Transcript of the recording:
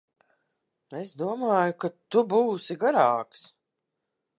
Es domāju, ka tu būsi garāks.